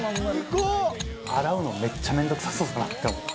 洗うのめっちゃ面倒くさそうだなって思って。